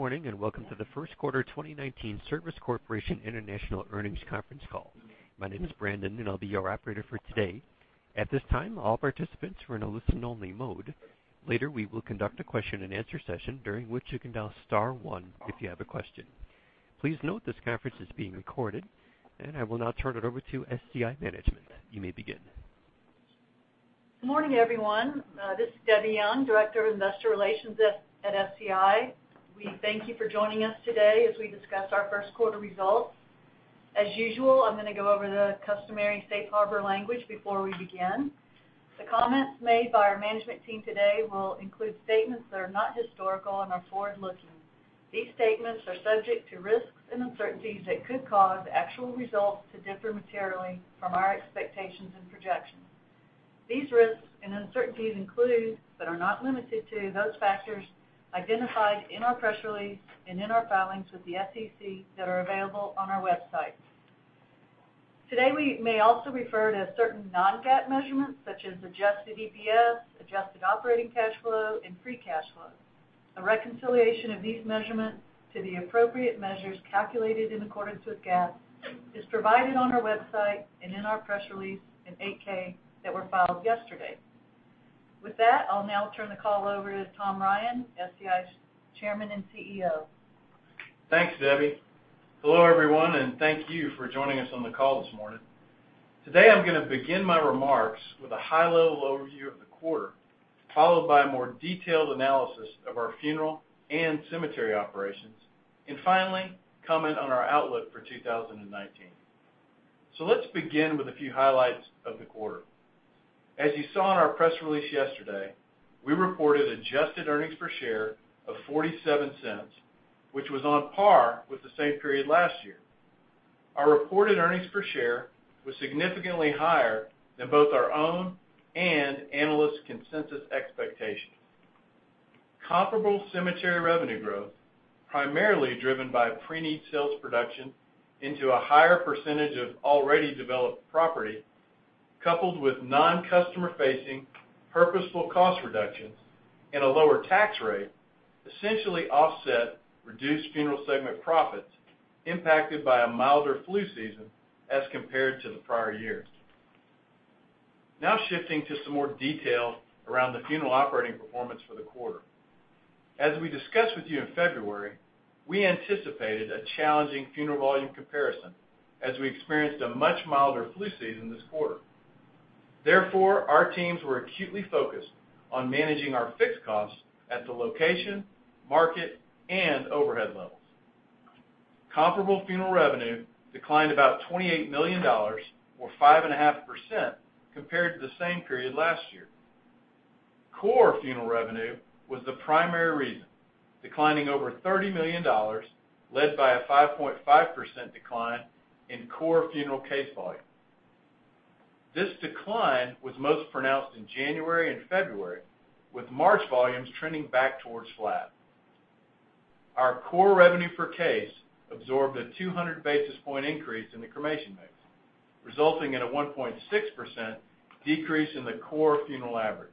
Good morning, welcome to the first quarter 2019 Service Corporation International Earnings Conference Call. My name is Brandon, and I will be your operator for today. At this time, all participants are in a listen-only mode. Later, we will conduct a question and answer session, during which you can dial star one if you have a question. Please note this conference is being recorded. I will now turn it over to SCI management. You may begin. Good morning, everyone. This is Debbie Young, Director of Investor Relations at SCI. We thank you for joining us today as we discuss our first quarter results. As usual, I am going to go over the customary safe harbor language before we begin. The comments made by our management team today will include statements that are not historical and are forward-looking. These statements are subject to risks and uncertainties that could cause actual results to differ materially from our expectations and projections. These risks and uncertainties include, but are not limited to, those factors identified in our press release and in our filings with the SEC that are available on our website. Today, we may also refer to certain non-GAAP measurements such as adjusted EPS, adjusted operating cash flow, and free cash flow. A reconciliation of these measurements to the appropriate measures calculated in accordance with GAAP is provided on our website and in our press release in an 8-K that were filed yesterday. With that, I will now turn the call over to Tom Ryan, SCI's Chairman and CEO. Thanks, Debbie. Hello, everyone, thank you for joining us on the call this morning. Today I am going to begin my remarks with a high-level overview of the quarter, followed by a more detailed analysis of our funeral and cemetery operations, and finally, comment on our outlook for 2019. Let's begin with a few highlights of the quarter. As you saw in our press release yesterday, we reported adjusted earnings per share of $0.47, which was on par with the same period last year. Our reported earnings per share was significantly higher than both our own and analyst consensus expectations. Comparable cemetery revenue growth, primarily driven by preneed sales production into a higher percentage of already developed property, coupled with non-customer facing purposeful cost reductions and a lower tax rate, essentially offset reduced funeral segment profits impacted by a milder flu season as compared to the prior year. Shifting to some more detail around the funeral operating performance for the quarter. As we discussed with you in February, we anticipated a challenging funeral volume comparison as we experienced a much milder flu season this quarter. Therefore, our teams were acutely focused on managing our fixed costs at the location, market, and overhead levels. Comparable funeral revenue declined about $28 million, or 5.5%, compared to the same period last year. Core funeral revenue was the primary reason, declining over $30 million, led by a 5.5% decline in core funeral case volume. This decline was most pronounced in January and February, with March volumes trending back towards flat. Our core revenue per case absorbed a 200 basis point increase in the cremation mix, resulting in a 1.6% decrease in the core funeral average.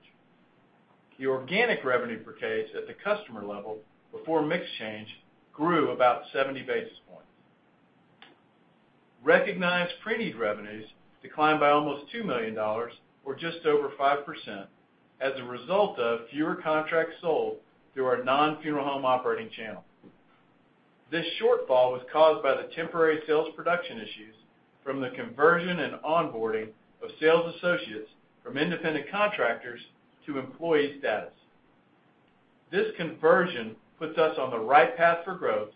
The organic revenue per case at the customer level before mix change grew about 70 basis points. Recognized preneed revenues declined by almost $2 million, or just over 5%, as a result of fewer contracts sold through our non-funeral home operating channel. This shortfall was caused by the temporary sales production issues from the conversion and onboarding of sales associates from independent contractors to employee status. This conversion puts us on the right path for growth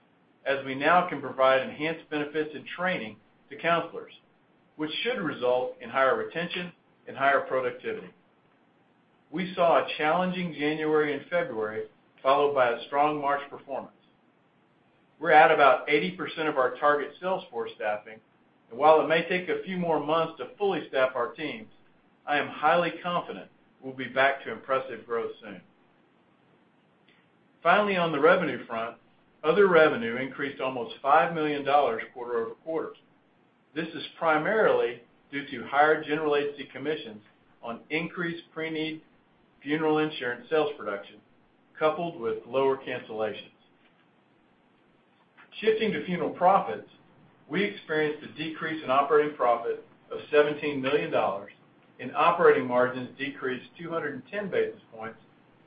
as we now can provide enhanced benefits and training to counselors, which should result in higher retention and higher productivity. We saw a challenging January and February, followed by a strong March performance. We're at about 80% of our target sales force staffing, and while it may take a few more months to fully staff our teams, I am highly confident we'll be back to impressive growth soon. On the revenue front, other revenue increased almost $5 million quarter-over-quarter. This is primarily due to higher general agency commissions on increased preneed funeral insurance sales production, coupled with lower cancellations. Shifting to funeral profits, we experienced a decrease in operating profit of $17 million, and operating margins decreased 210 basis points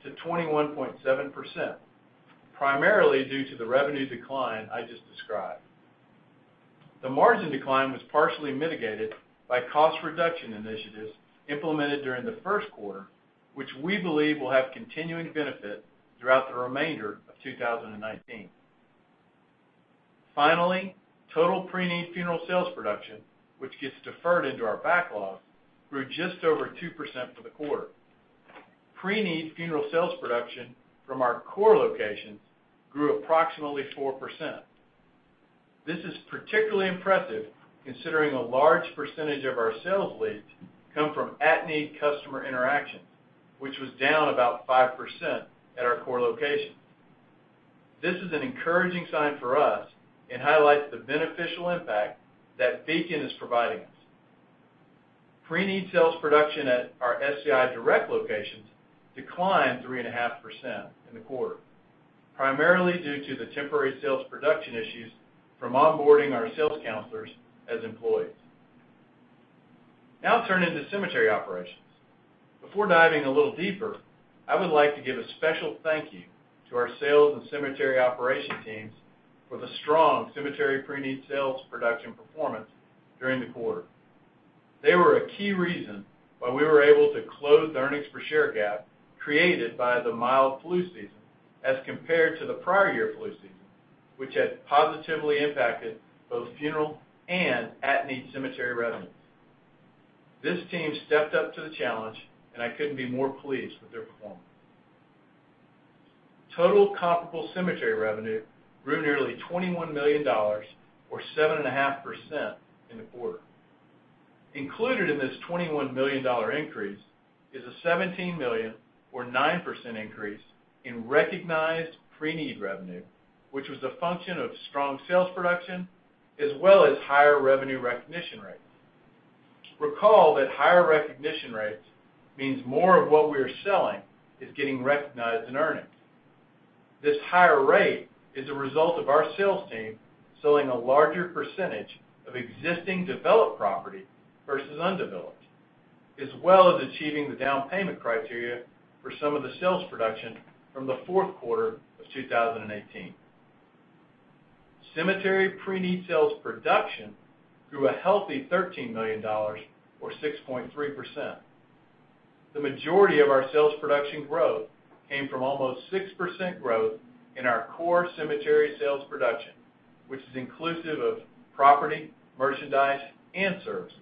to 21.7%, primarily due to the revenue decline I just described. The margin decline was partially mitigated by cost reduction initiatives implemented during the first quarter, which we believe will have continuing benefit throughout the remainder of 2019. Total preneed funeral sales production, which gets deferred into our backlog, grew just over 2% for the quarter. Preneed funeral sales production from our core locations grew approximately 4%. This is particularly impressive considering a large percentage of our sales leads come from at-need customer interactions, which was down about 5% at our core locations. This is an encouraging sign for us and highlights the beneficial impact that Beacon is providing us. Preneed sales production at our SCI Direct locations declined 3.5% in the quarter, primarily due to the temporary sales production issues from onboarding our sales counselors as employees. Turning to cemetery operations. Before diving a little deeper, I would like to give a special thank you to our sales and cemetery operation teams for the strong cemetery preneed sales production performance during the quarter. They were a key reason why we were able to close the earnings per share gap created by the mild flu season as compared to the prior year flu season, which had positively impacted both funeral and at-need cemetery revenues. This team stepped up to the challenge, and I couldn't be more pleased with their performance. Total comparable cemetery revenue grew nearly $21 million, or 7.5% in the quarter. Included in this $21 million increase is a $17 million or 9% increase in recognized pre-need revenue, which was a function of strong sales production as well as higher revenue recognition rates. Recall that higher recognition rates means more of what we are selling is getting recognized in earnings. This higher rate is a result of our sales team selling a larger percentage of existing developed property versus undeveloped, as well as achieving the down payment criteria for some of the sales production from the fourth quarter of 2018. Cemetery pre-need sales production grew a healthy $13 million or 6.3%. The majority of our sales production growth came from almost 6% growth in our core cemetery sales production, which is inclusive of property, merchandise, and services.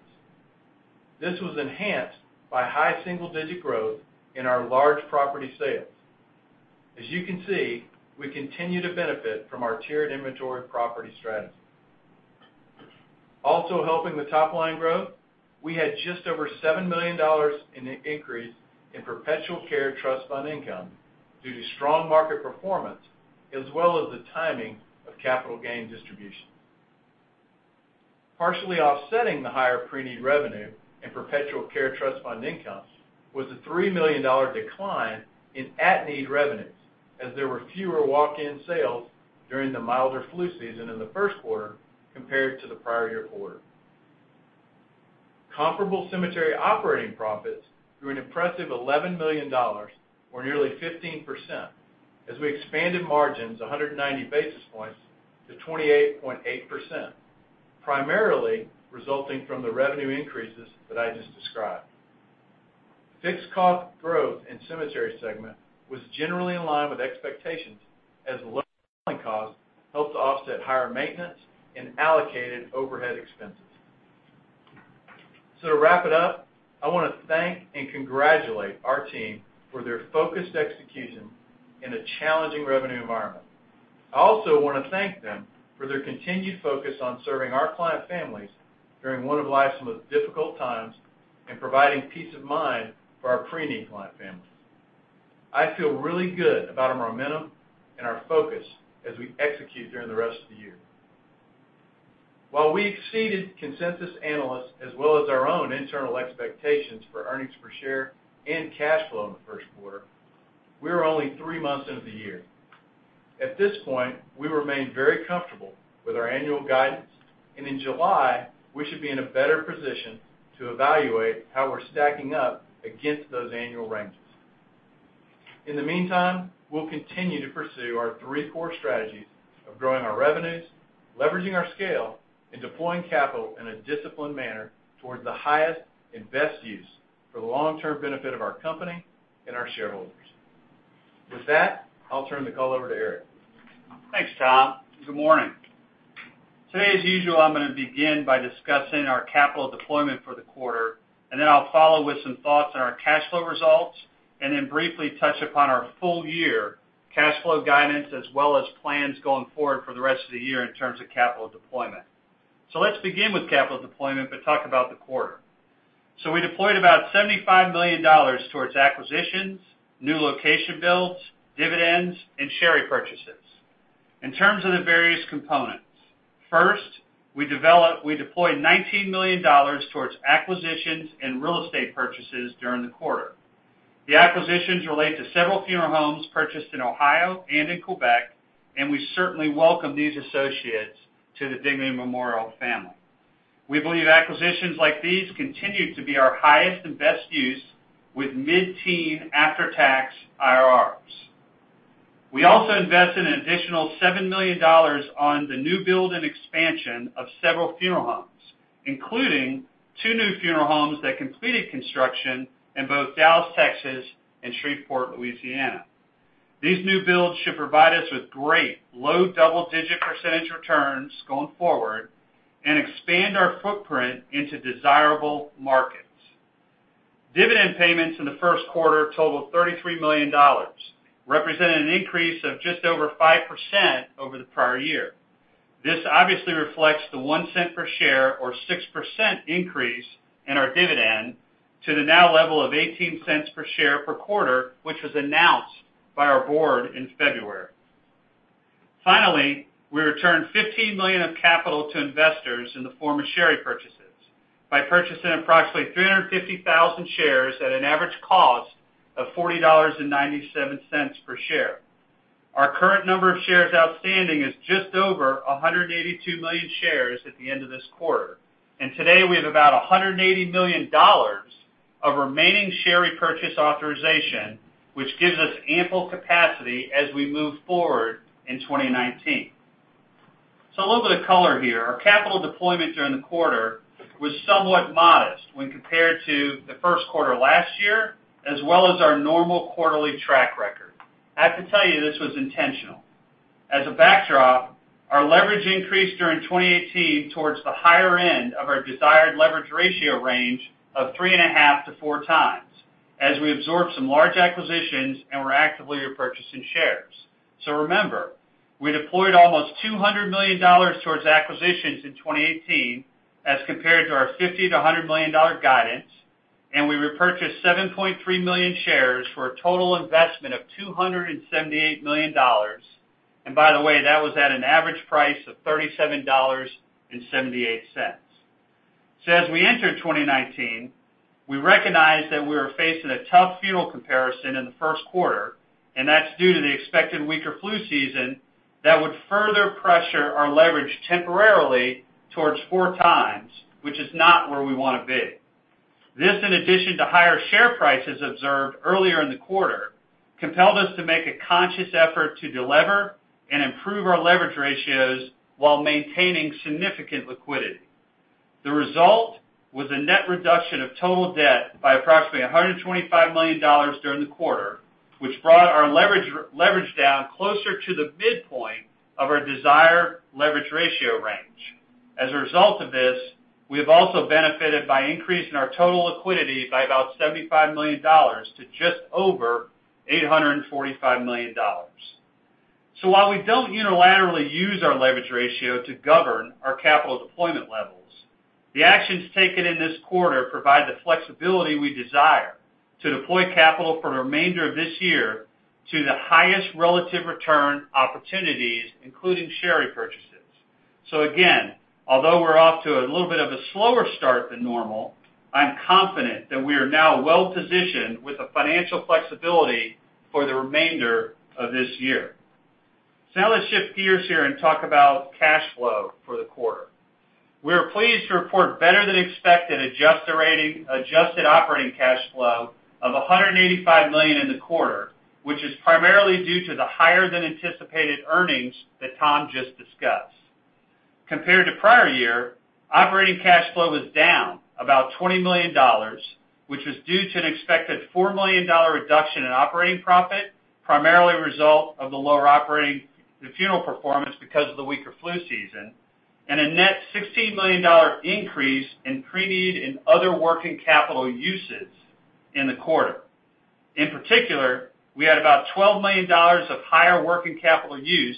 This was enhanced by high single-digit growth in our large property sales. As you can see, we continue to benefit from our tiered inventory property strategy. Also helping the top-line growth, we had just over $7 million in increase in perpetual care trust fund income due to strong market performance as well as the timing of capital gain distribution. Partially offsetting the higher pre-need revenue and perpetual care trust fund incomes was a $3 million decline in at-need revenues, as there were fewer walk-in sales during the milder flu season in the first quarter compared to the prior year quarter. Comparable cemetery operating profits grew an impressive $11 million or nearly 15% as we expanded margins 190 basis points to 28.8%, primarily resulting from the revenue increases that I just described. Fixed cost growth in cemetery segment was generally in line with expectations as lower costs helped offset higher maintenance and allocated overhead expenses. To wrap it up, I want to thank and congratulate our team for their focused execution in a challenging revenue environment. I also want to thank them for their continued focus on serving our client families during one of life's most difficult times and providing peace of mind for our pre-need client families. I feel really good about our momentum and our focus as we execute during the rest of the year. While we exceeded consensus analysts as well as our own internal expectations for earnings per share and cash flow in the first quarter, we are only three months into the year. At this point, we remain very comfortable with our annual guidance, and in July, we should be in a better position to evaluate how we're stacking up against those annual ranges. In the meantime, we'll continue to pursue our three core strategies of growing our revenues, leveraging our scale, and deploying capital in a disciplined manner towards the highest and best use for the long-term benefit of our company and our shareholders. With that, I'll turn the call over to Eric. Thanks, Tom. Good morning. Today, as usual, I am going to begin by discussing our capital deployment for the quarter, then I will follow with some thoughts on our cash flow results, then briefly touch upon our full year cash flow guidance as well as plans going forward for the rest of the year in terms of capital deployment. Let us begin with capital deployment, but talk about the quarter. We deployed about $75 million towards acquisitions, new location builds, dividends, and share repurchases. In terms of the various components, first, we deployed $19 million towards acquisitions and real estate purchases during the quarter. The acquisitions relate to several funeral homes purchased in Ohio and in Quebec, and we certainly welcome these associates to the Dignity Memorial family. We believe acquisitions like these continue to be our highest and best use with mid-teen after-tax IRRs. We also invested an additional $7 million on the new build and expansion of several funeral homes, including two new funeral homes that completed construction in both Dallas, Texas, and Shreveport, Louisiana. These new builds should provide us with great low-double-digit percentage returns going forward and expand our footprint into desirable markets. Dividend payments in the first quarter totaled $33 million, representing an increase of just over 5% over the prior year. This obviously reflects the $0.01 per share or 6% increase in our dividend to the now level of $0.18 per share per quarter, which was announced by our board in February. Finally, we returned $15 million of capital to investors in the form of share repurchases by purchasing approximately 350,000 shares at an average cost of $40.97 per share. Our current number of shares outstanding is just over 182 million shares at the end of this quarter. Today, we have about $180 million of remaining share repurchase authorization, which gives us ample capacity as we move forward in 2019. A little bit of color here. Our capital deployment during the quarter was somewhat modest when compared to the first quarter last year, as well as our normal quarterly track record. I have to tell you, this was intentional. As a backdrop, our leverage increased during 2018 towards the higher end of our desired leverage ratio range of 3.5 to 4 times, as we absorbed some large acquisitions and were actively repurchasing shares. Remember, we deployed almost $200 million towards acquisitions in 2018 as compared to our $50 million to $100 million guidance, and we repurchased 7.3 million shares for a total investment of $278 million. By the way, that was at an average price of $37.78. As we entered 2019, we recognized that we were facing a tough funeral comparison in the first quarter, and that is due to the expected weaker flu season that would further pressure our leverage temporarily towards four times, which is not where we want to be. This, in addition to higher share prices observed earlier in the quarter, compelled us to make a conscious effort to delever and improve our leverage ratios while maintaining significant liquidity. The result was a net reduction of total debt by approximately $125 million during the quarter, which brought our leverage down closer to the midpoint of our desired leverage ratio range. As a result of this, we have also benefited by increasing our total liquidity by about $75 million to just over $845 million. While we don't unilaterally use our leverage ratio to govern our capital deployment levels, the actions taken in this quarter provide the flexibility we desire to deploy capital for the remainder of this year to the highest relative return opportunities, including share repurchases. Again, although we're off to a little bit of a slower start than normal, I'm confident that we are now well-positioned with the financial flexibility for the remainder of this year. Now let's shift gears here and talk about cash flow for the quarter. We are pleased to report better-than-expected adjusted operating cash flow of $185 million in the quarter, which is primarily due to the higher-than-anticipated earnings that Tom just discussed. Compared to prior year, operating cash flow was down about $20 million, which was due to an expected $4 million reduction in operating profit, primarily a result of the lower operating the funeral performance because of the weaker flu season, and a net $16 million increase in pre-need and other working capital uses in the quarter. In particular, we had about $12 million of higher working capital use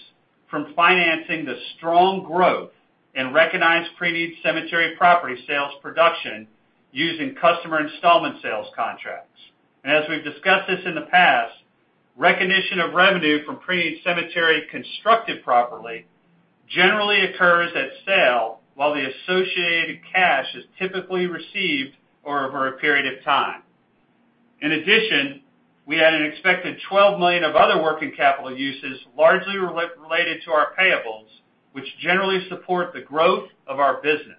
from financing the strong growth in recognized preneed cemetery property sales production using customer installment sales contracts. As we've discussed this in the past, recognition of revenue from preneed cemetery constructed property generally occurs at sale while the associated cash is typically received over a period of time. In addition, we had an expected $12 million of other working capital uses largely related to our payables, which generally support the growth of our business.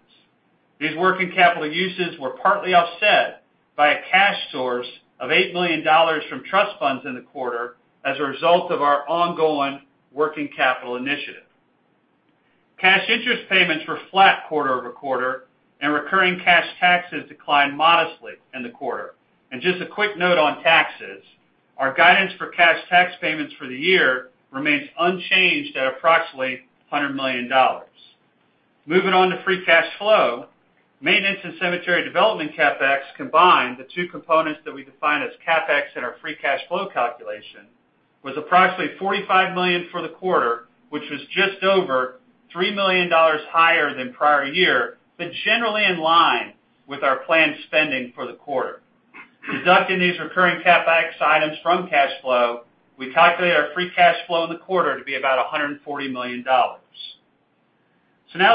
These working capital uses were partly offset by a cash source of $8 million from trust funds in the quarter as a result of our ongoing working capital initiative. Cash interest payments were flat quarter-over-quarter, and recurring cash taxes declined modestly in the quarter. Just a quick note on taxes, our guidance for cash tax payments for the year remains unchanged at approximately $100 million. Moving on to free cash flow, maintenance and cemetery development CapEx combined, the two components that we define as CapEx in our free cash flow calculation, was approximately $45 million for the quarter, which was just over $3 million higher than prior year, but generally in line with our planned spending for the quarter. Deducting these recurring CapEx items from cash flow, we calculate our free cash flow in the quarter to be about $140 million. Now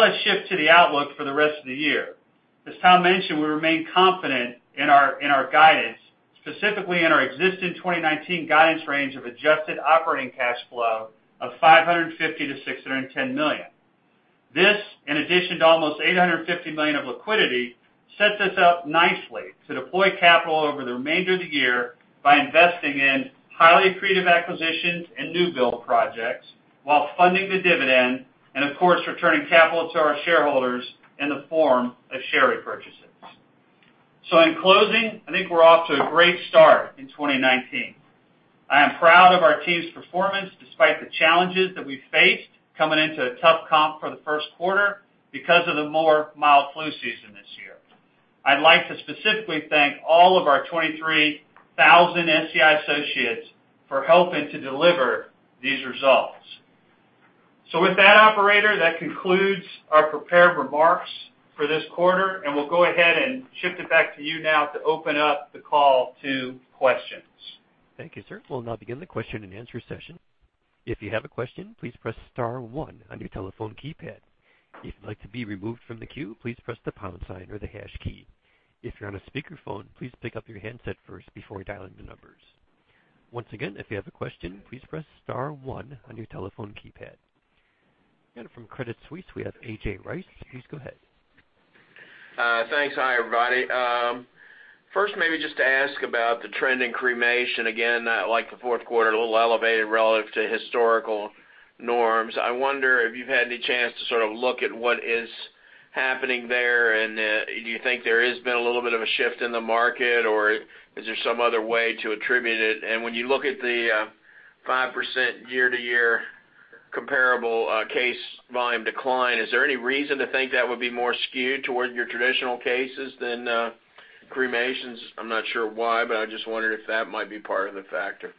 let's shift to the outlook for the rest of the year. As Tom mentioned, we remain confident in our guidance, specifically in our existing 2019 guidance range of adjusted operating cash flow of $550 million-$610 million. This, in addition to almost $850 million of liquidity, sets us up nicely to deploy capital over the remainder of the year by investing in highly accretive acquisitions and new build projects while funding the dividend and of course, returning capital to our shareholders in the form of share repurchases. In closing, I think we're off to a great start in 2019. I am proud of our team's performance despite the challenges that we faced coming into a tough comp for the first quarter because of the more mild flu season this year. I'd like to specifically thank all of our 23,000 SCI associates for helping to deliver these results. With that, Operator, that concludes our prepared remarks. For this quarter, we'll go ahead and shift it back to you now to open up the call to questions. Thank you, sir. We'll now begin the question and answer session. If you have a question, please press star one on your telephone keypad. If you'd like to be removed from the queue, please press the pound sign or the hash key. If you're on a speakerphone, please pick up your handset first before dialing the numbers. Once again, if you have a question, please press star one on your telephone keypad. From Credit Suisse, we have A.J. Rice. Please go ahead. Thanks. Hi, everybody. First, maybe just to ask about the trend in cremation. Again, like the fourth quarter, a little elevated relative to historical norms. I wonder if you've had any chance to sort of look at what is happening there, and do you think there has been a little bit of a shift in the market, or is there some other way to attribute it? When you look at the 5% year-to-year comparable case volume decline, is there any reason to think that would be more skewed towards your traditional cases than cremations? I'm not sure why, but I just wondered if that might be part of the factor.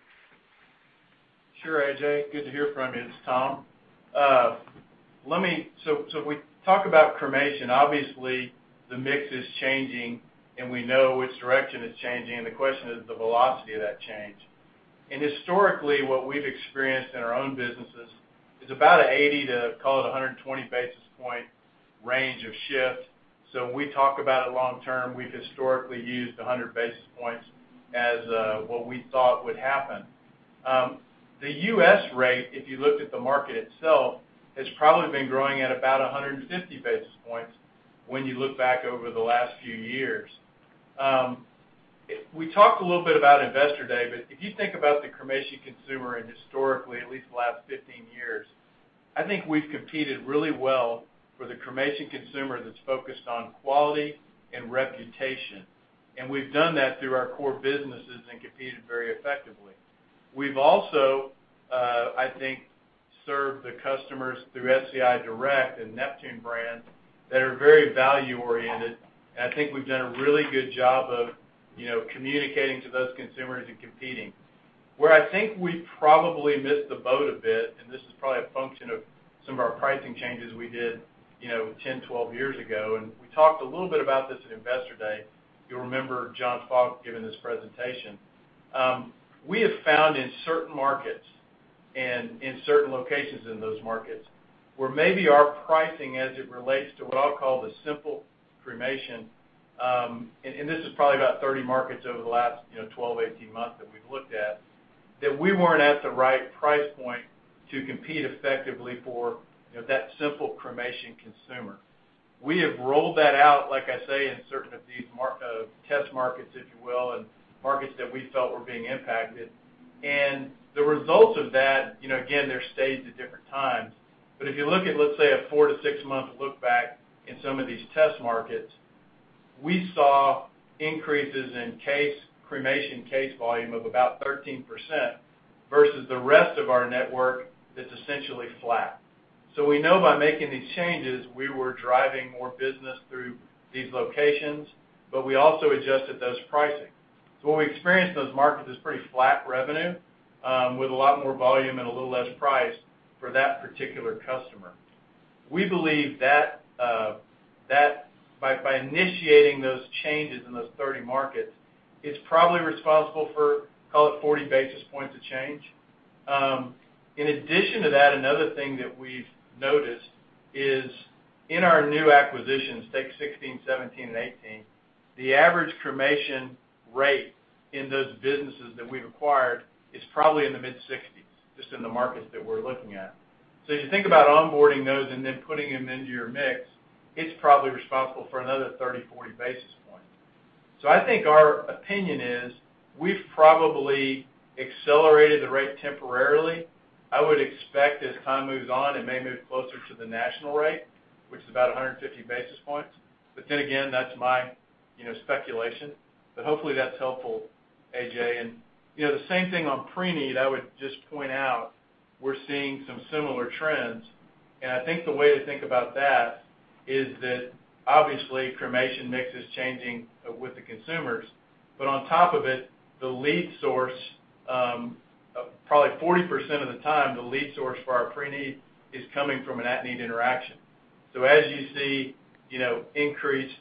Sure, A.J. Good to hear from you. This is Tom. We talk about cremation, obviously, the mix is changing, and we know which direction it's changing, and the question is the velocity of that change. Historically, what we've experienced in our own businesses is about an 80 to, call it, 120 basis point range of shift. When we talk about it long term, we've historically used 100 basis points as what we thought would happen. The U.S. rate, if you looked at the market itself, has probably been growing at about 150 basis points when you look back over the last few years. We talked a little bit about Investor Day, but if you think about the cremation consumer and historically, at least the last 15 years, I think we've competed really well for the cremation consumer that's focused on quality and reputation. We've done that through our core businesses and competed very effectively. We've also, I think, served the customers through SCI Direct and Neptune brands that are very value-oriented, and I think we've done a really good job of communicating to those consumers and competing. Where I think we probably missed the boat a bit, and this is probably a function of some of our pricing changes we did 10, 12 years ago, and we talked a little bit about this at Investor Day. You'll remember John Faulk giving this presentation. We have found in certain markets and in certain locations in those markets where maybe our pricing as it relates to what I'll call the simple cremation, and this is probably about 30 markets over the last 12, 18 months that we've looked at, that we weren't at the right price point to compete effectively for that simple cremation consumer. We have rolled that out, like I say, in certain of these test markets, if you will, and markets that we felt were being impacted. The results of that, again, they're staged at different times. If you look at, let's say, a 4-6 month look back in some of these test markets, we saw increases in cremation case volume of about 13%, versus the rest of our network that's essentially flat. We know by making these changes, we were driving more business through these locations, but we also adjusted those pricing. What we experienced in those markets is pretty flat revenue with a lot more volume and a little less price for that particular customer. We believe that by initiating those changes in those 30 markets, it's probably responsible for, call it, 40 basis points of change. In addition to that, another thing that we've noticed is in our new acquisitions, take 2016, 2017, and 2018, the average cremation rate in those businesses that we've acquired is probably in the mid-60s, just in the markets that we're looking at. As you think about onboarding those and then putting them into your mix, it's probably responsible for another 30, 40 basis points. I think our opinion is we've probably accelerated the rate temporarily. I would expect as time moves on, it may move closer to the national rate, which is about 150 basis points. Again, that's my speculation. Hopefully, that's helpful, A.J. The same thing on pre-need, I would just point out we're seeing some similar trends, and I think the way to think about that is that obviously cremation mix is changing with the consumers, but on top of it, probably 40% of the time, the lead source for our pre-need is coming from an at-need interaction. As you see increased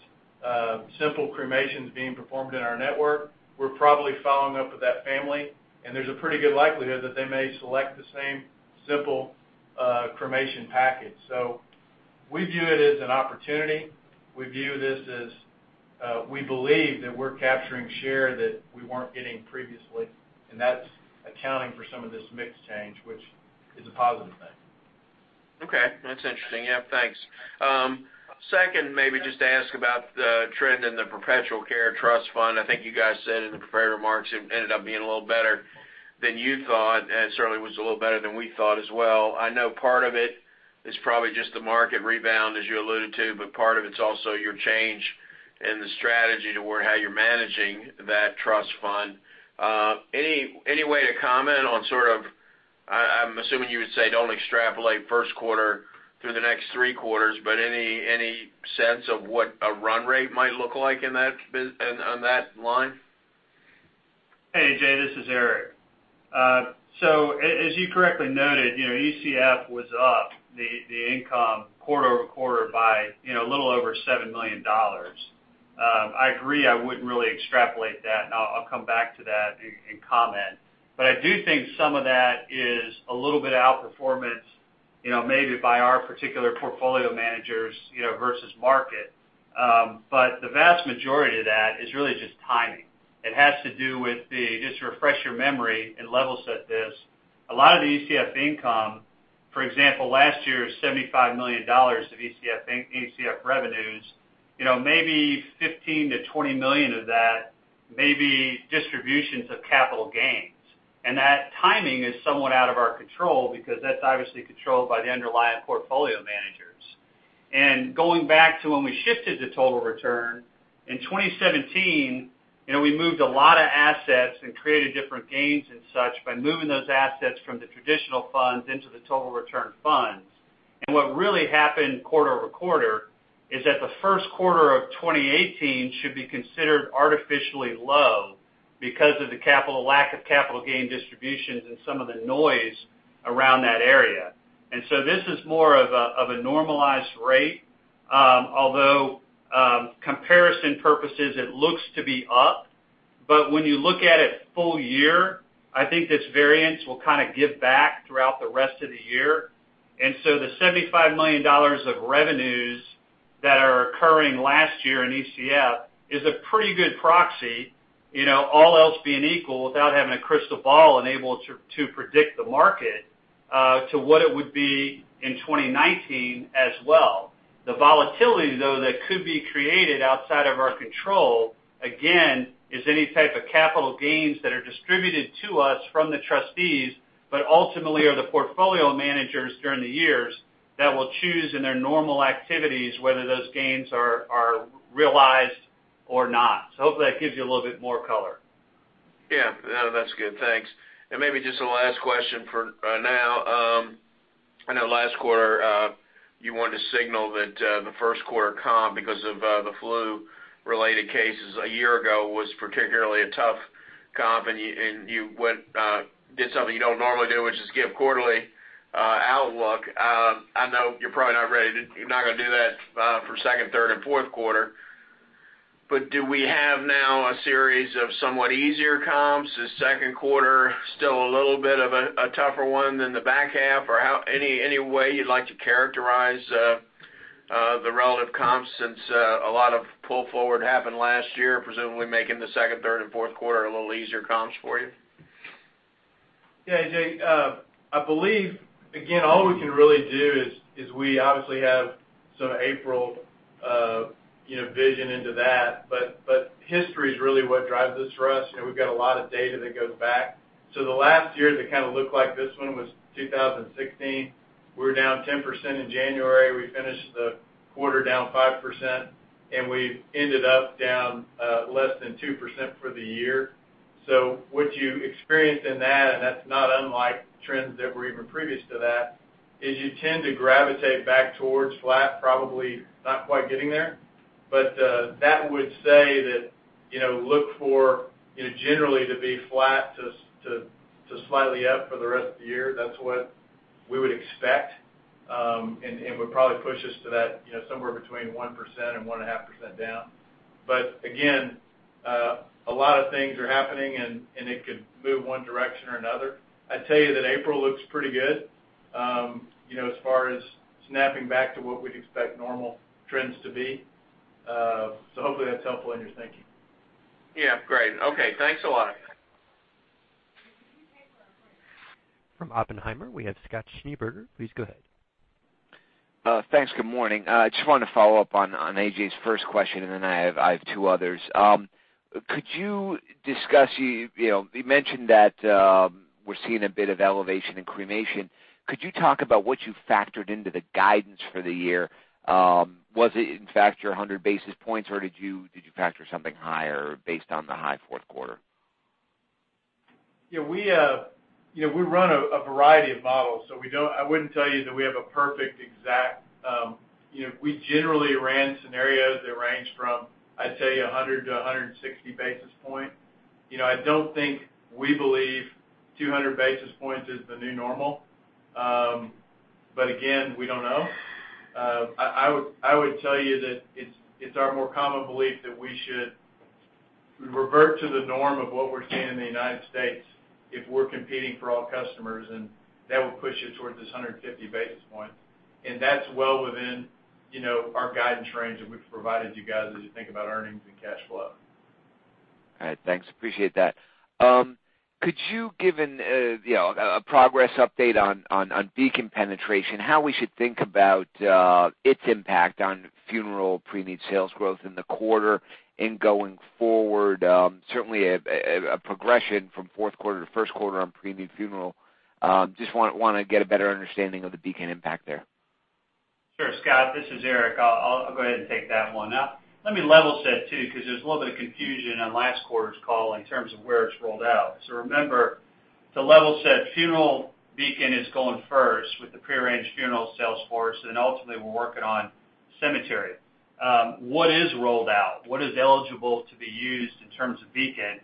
simple cremations being performed in our network, we're probably following up with that family, and there's a pretty good likelihood that they may select the same simple cremation package. We view it as an opportunity. We view this as we believe that we're capturing share that we weren't getting previously, and that's accounting for some of this mix change, which is a positive thing. Okay. That's interesting. Yeah, thanks. Second, maybe just to ask about the trend in the perpetual care trust fund. I think you guys said in the prepared remarks it ended up being a little better than you thought, and it certainly was a little better than we thought as well. I know part of it is probably just the market rebound, as you alluded to, but part of it's also your change in the strategy toward how you're managing that trust fund. Any way to comment on sort of, I'm assuming you would say don't extrapolate first quarter through the next three quarters, but any sense of what a run rate might look like on that line? Hey, A.J., this is Eric. As you correctly noted, ECF was up, the income quarter over quarter by a little over $7 million. I agree, I wouldn't really extrapolate that, and I'll come back to that in comment. I do think some of that is a little bit out-performance, maybe by our particular portfolio managers, versus market. The vast majority of that is really just timing. It has to do with the, just to refresh your memory and level set this, a lot of the ECF income, for example, last year's $75 million of ECF revenues, maybe $15 million to $20 million of that may be distributions of capital gains. That timing is somewhat out of our control because that's obviously controlled by the underlying portfolio managers. Going back to when we shifted to total return in 2017, we moved a lot of assets and created different gains and such by moving those assets from the traditional funds into the total return funds. What really happened quarter-over-quarter is that the first quarter of 2018 should be considered artificially low because of the lack of capital gain distributions and some of the noise around that area. This is more of a normalized rate. Although comparison purposes, it looks to be up, but when you look at it full year, I think this variance will kind of give back throughout the rest of the year. The $75 million of revenues that are occurring last year in ECF is a pretty good proxy, all else being equal, without having a crystal ball and able to predict the market, to what it would be in 2019 as well. The volatility, though, that could be created outside of our control, again, is any type of capital gains that are distributed to us from the trustees, but ultimately are the portfolio managers during the years that will choose in their normal activities whether those gains are realized or not. Hopefully that gives you a little bit more color. Yeah. No, that's good. Thanks. Maybe just a last question for now. I know last quarter, you wanted to signal that the first quarter comp, because of the flu-related cases a year ago, was particularly a tough comp, and you did something you don't normally do, which is give quarterly outlook. I know you're not going to do that for second, third, and fourth quarter, but do we have now a series of somewhat easier comps? Is second quarter still a little bit of a tougher one than the back half? Or any way you'd like to characterize the relative comps since a lot of pull forward happened last year, presumably making the second, third, and fourth quarter a little easier comps for you? Yeah, A.J., I believe, again, all we can really do is we obviously have some April vision into that. History is really what drives this for us. We've got a lot of data that goes back. The last year that kind of looked like this one was 2016. We were down 10% in January. We finished the quarter down 5%, and we ended up down less than 2% for the year. What you experienced in that, and that's not unlike trends that were even previous to that, is you tend to gravitate back towards flat, probably not quite getting there. That would say that look for generally to be flat to slightly up for the rest of the year. That's what we would expect, and would probably push us to that somewhere between 1% and 1.5% down. Again, a lot of things are happening, it could move one direction or another. I'd tell you that April looks pretty good as far as snapping back to what we'd expect normal trends to be. Hopefully that's helpful in your thinking. Yeah. Great. Okay. Thanks a lot. From Oppenheimer, we have Scott Schneeberger. Please go ahead. Thanks. Good morning. I just wanted to follow up on A.J.'s first question, then I have two others. You mentioned that we're seeing a bit of elevation in cremation. Could you talk about what you factored into the guidance for the year? Was it, in fact, your 100 basis points, or did you factor something higher based on the high fourth quarter? Yeah, we run a variety of models, so I wouldn't tell you that we have a perfect exact. We generally ran scenarios that range from, I'd say, 100 to 160 basis points. I don't think we believe 200 basis points is the new normal. Again, we don't know. I would tell you that it's our more common belief that we should revert to the norm of what we're seeing in the U.S. if we're competing for all customers, and that would push it towards this 150 basis points. That's well within our guidance range that we've provided you guys as you think about earnings and cash flow. All right. Thanks, appreciate that. Could you give a progress update on Beacon penetration, how we should think about its impact on funeral pre-need sales growth in the quarter and going forward? Certainly, a progression from fourth quarter to first quarter on pre-need funeral. Just want to get a better understanding of the Beacon impact there. Sure, Scott, this is Eric. I'll go ahead and take that one. Let me level set, too, because there's a little bit of confusion on last quarter's call in terms of where it's rolled out. Remember, to level set, Funeral Beacon is going first with the pre-arranged funeral sales force, and ultimately, we're working on cemetery. What is rolled out? What is eligible to be used in terms of Beacon?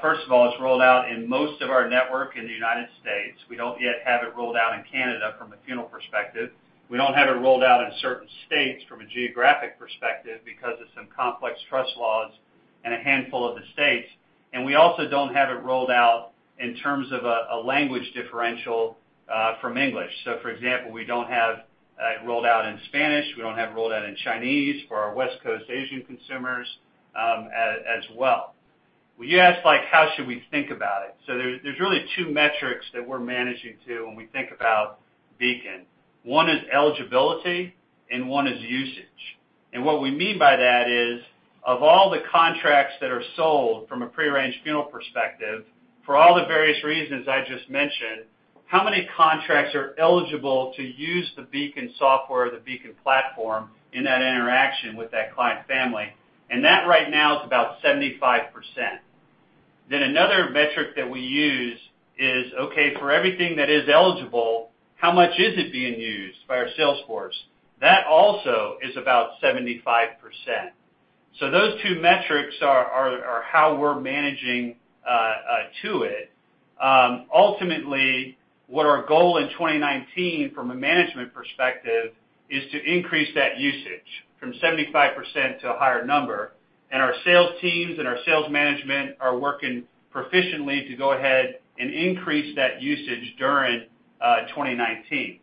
First of all, it's rolled out in most of our network in the U.S. We don't yet have it rolled out in Canada from a funeral perspective. We don't have it rolled out in certain states from a geographic perspective because of some complex trust laws in a handful of the states, and we also don't have it rolled out in terms of a language differential from English. For example, we don't have it rolled out in Spanish, we don't have it rolled out in Chinese for our West Coast Asian consumers as well. When you ask, how should we think about it? There's really two metrics that we're managing to when we think about Beacon. One is eligibility and one is usage. What we mean by that is, of all the contracts that are sold from a pre-arranged funeral perspective, for all the various reasons I just mentioned, how many contracts are eligible to use the Beacon software or the Beacon platform in that interaction with that client family? That right now is about 75%. Another metric that we use is, okay, for everything that is eligible, how much is it being used by our sales force? That also is about 75%. Those two metrics are how we're managing to it. Ultimately, what our goal in 2019 from a management perspective is to increase that usage from 75% to a higher number. Our sales teams and our sales management are working proficiently to go ahead and increase that usage during 2019.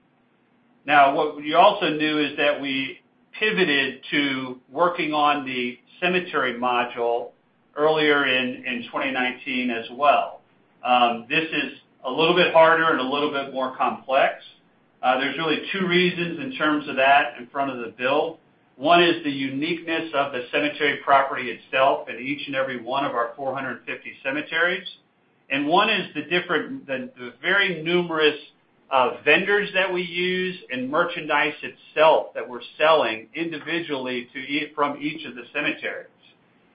What you also knew is that we pivoted to working on the cemetery module earlier in 2019 as well. This is a little bit harder and a little bit more complex. There's really two reasons in terms of that in front of the build. One is the uniqueness of the cemetery property itself at each and every one of our 450 cemeteries. One is the very numerous vendors that we use and merchandise itself that we're selling individually from each of the cemeteries.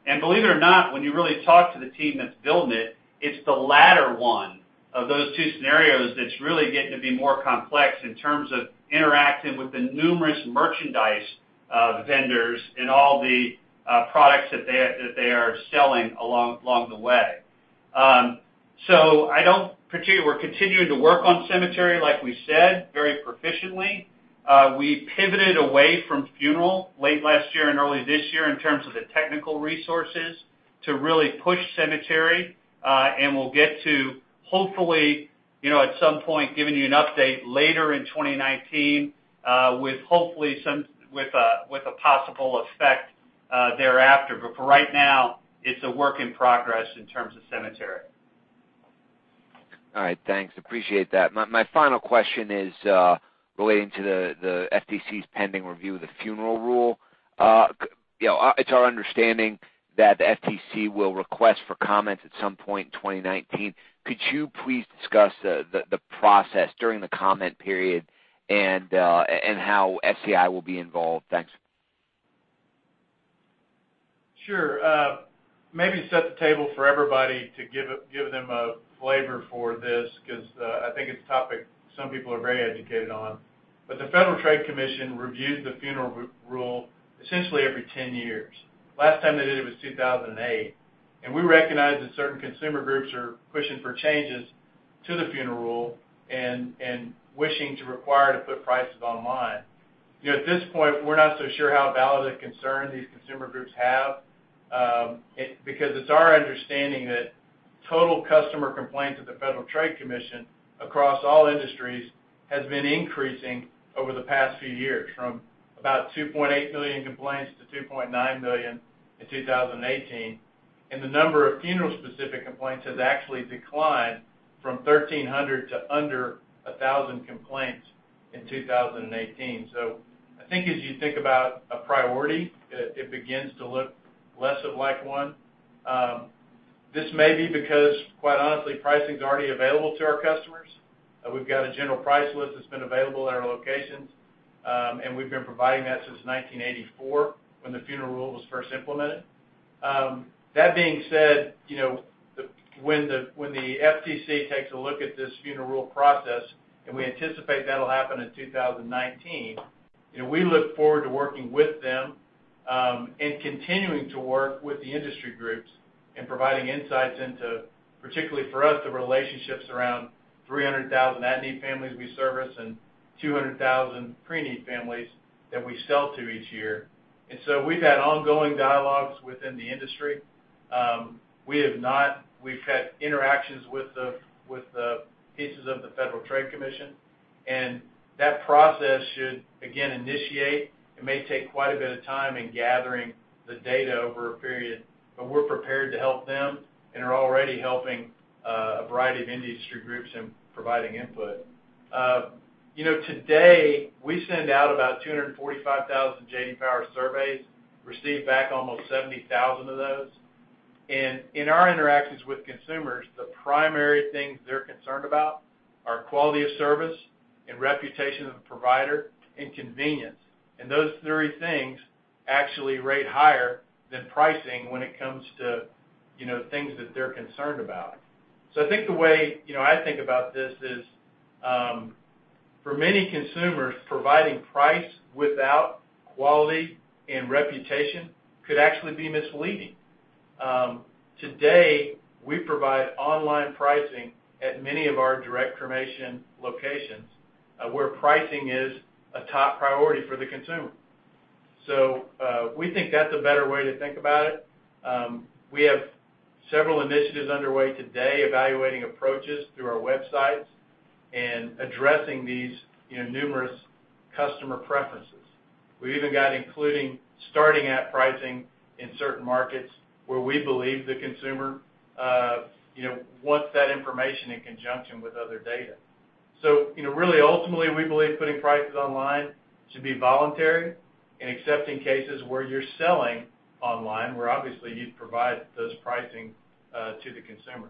Believe it or not, when you really talk to the team that's building it's the latter one of those two scenarios that's really getting to be more complex in terms of interacting with the numerous merchandise vendors and all the products that they are selling along the way. We're continuing to work on cemetery, like we said, very proficiently. We pivoted away from funeral late last year and early this year in terms of the technical resources to really push cemetery. We'll get to, hopefully, at some point, giving you an update later in 2019, with a possible effect thereafter. For right now, it's a work in progress in terms of cemetery. All right. Thanks, appreciate that. My final question is relating to the FTC's pending review of the Funeral Rule. It's our understanding that the FTC will request for comments at some point in 2019. Could you please discuss the process during the comment period and how SCI will be involved? Thanks. Sure. Maybe set the table for everybody to give them a flavor for this, because I think it's a topic some people are very educated on. The Federal Trade Commission reviews the Funeral Rule essentially every 10 years. Last time they did it was 2008. We recognize that certain consumer groups are pushing for changes to the Funeral Rule and wishing to require to put prices online. At this point, we're not so sure how valid a concern these consumer groups have, because it's our understanding that total customer complaints with the Federal Trade Commission across all industries has been increasing over the past few years from about 2.8 million complaints to 2.9 million in 2018. The number of funeral-specific complaints has actually declined from 1,300 to under 1,000 complaints in 2018. I think as you think about a priority, it begins to look less of like one. This may be because, quite honestly, pricing is already available to our customers. We've got a general price list that's been available at our locations, and we've been providing that since 1984 when the Funeral Rule was first implemented. That being said, when the FTC takes a look at this Funeral Rule process, and we anticipate that'll happen in 2019, we look forward to working with them, and continuing to work with the industry groups in providing insights into, particularly for us, the relationships around 300,000 at-need families we service and 200,000 pre-need families that we sell to each year. We've had ongoing dialogues within the industry. We've had interactions with the pieces of the Federal Trade Commission, and that process should again initiate. It may take quite a bit of time in gathering the data over a period, but we're prepared to help them and are already helping a variety of industry groups in providing input. Today, we send out about 245,000 J.D. Power surveys, receive back almost 70,000 of those. In our interactions with consumers, the primary things they're concerned about Our quality of service and reputation of the provider and convenience. Those three things actually rate higher than pricing when it comes to things that they're concerned about. I think the way I think about this is, for many consumers, providing price without quality and reputation could actually be misleading. Today, we provide online pricing at many of our direct cremation locations, where pricing is a top priority for the consumer. We think that's a better way to think about it. We have several initiatives underway today evaluating approaches through our websites and addressing these numerous customer preferences. We've even got including starting at pricing in certain markets where we believe the consumer wants that information in conjunction with other data. Really ultimately, we believe putting prices online should be voluntary and except in cases where you're selling online, where obviously you'd provide those pricing to the consumer.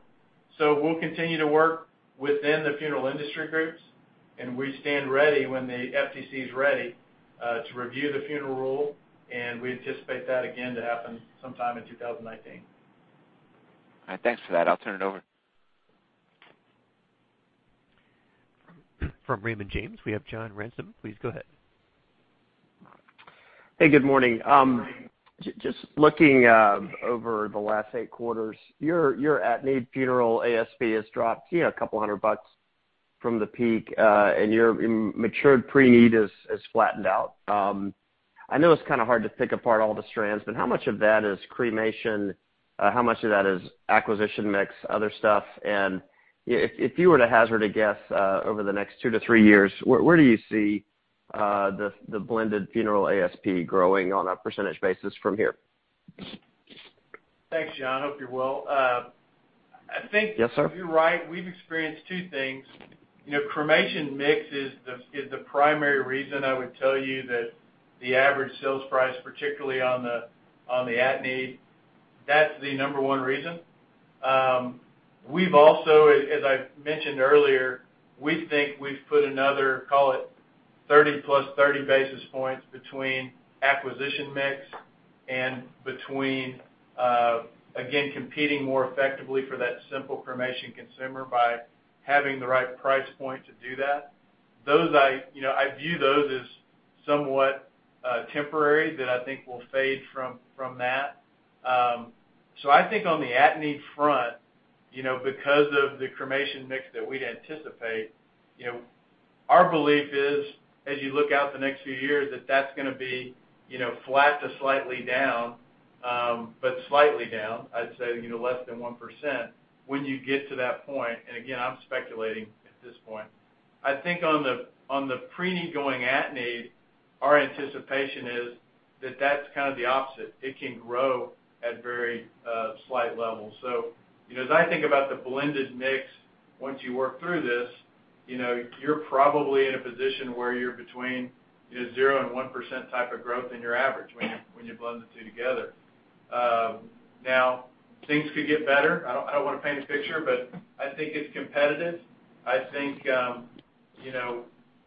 We'll continue to work within the funeral industry groups, and we stand ready when the FTC is ready, to review the Funeral Rule, and we anticipate that again to happen sometime in 2019. All right. Thanks for that. I'll turn it over. From Raymond James, we have John Ransom. Please go ahead. Hey, good morning. Just looking over the last eight quarters, your at-need funeral ASP has dropped a couple hundred dollars from the peak, and your matured preneed has flattened out. I know it's kind of hard to pick apart all the strands, how much of that is cremation? How much of that is acquisition mix, other stuff? If you were to hazard a guess over the next two to three years, where do you see the blended funeral ASP growing on a percentage basis from here? Thanks, John. I hope you're well. Yes, sir. I think you're right. We've experienced two things. Cremation mix is the primary reason I would tell you that the average sales price, particularly on the at-need, that's the number one reason. We've also, as I've mentioned earlier, we think we've put another, call it 30-plus, 30 basis points between acquisition mix and between, again, competing more effectively for that simple cremation consumer by having the right price point to do that. I view those as somewhat temporary, that I think will fade from that. I think on the at-need front, because of the cremation mix that we'd anticipate, our belief is, as you look out the next few years, that that's going to be flat to slightly down, but slightly down. I'd say less than 1% when you get to that point, and again, I'm speculating at this point. I think on the pre-need going at-need, our anticipation is that that's kind of the opposite. It can grow at very slight levels. As I think about the blended mix, once you work through this, you're probably in a position where you're between 0 and 1% type of growth in your average when you blend the two together. Things could get better. I don't want to paint a picture, but I think it's competitive. I think